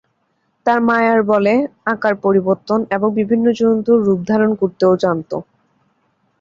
তারা মায়ার বলে আকার পরিবর্তন এবং বিভিন্ন জন্তুর রূপ ধারণ করতেও জানত।